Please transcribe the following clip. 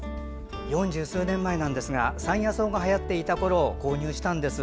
四十数年前なんですが山野草がはやっていたころ購入したんです。